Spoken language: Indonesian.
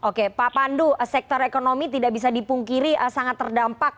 oke pak pandu sektor ekonomi tidak bisa dipungkiri sangat terdampak